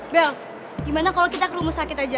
bel gimana kalau kita ke rumah sakit aja